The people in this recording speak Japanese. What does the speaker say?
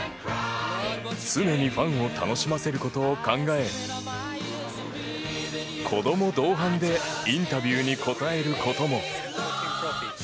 常にファンを楽しませることを考え子供同伴でインタビューに答えることも。